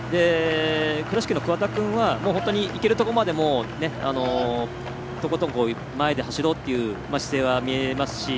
倉敷の桑田君はいけるところまでとことん、前で走ろうっていう姿勢は見えますし。